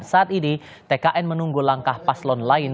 saat ini tkn menunggu langkah paslon lain